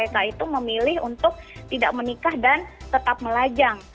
mereka itu memilih untuk tidak menikah dan tetap melajang